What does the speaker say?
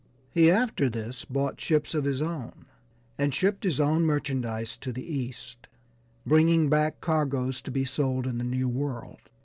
He after this bought ships of his own, and shipped his own merchandise to the East, bringing back cargoes to be sold in the new world.